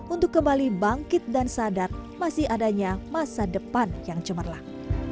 untuk kembali bangkit dan sadar masih adanya masa depan yang cemerlang